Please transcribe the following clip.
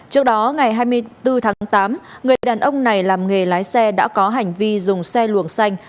trước đó ngày hai mươi bốn tháng tám người đàn ông này làm nghề lái xe đã có hành vi dùng xe luồng xanh